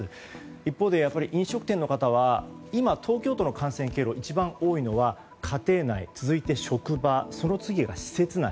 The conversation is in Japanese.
一方で飲食店の方は今、東京都の感染経路で一番多いのは、家庭内続いて職場、その次が施設内。